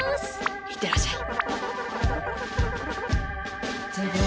いってらっしゃい。